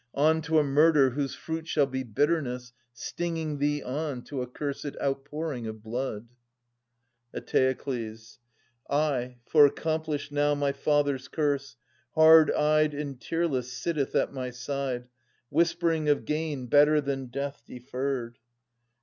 On to a murder whose fruit shall be bitterness, stinging thee on To accursed outpouring of blood. Eteokles. Ay, for accomplished now, my father's curse. Hard eyed and tearless, sitteth at my side Whispering of gain better than death deferred.